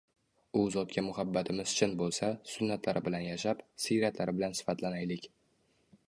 U zotga muhabbatimiz chin bo‘lsa, sunnatlari bilan yashab, siyratlari bilan sifatlanaylik